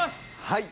はい。